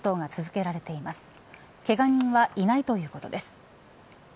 けが人はいないということです。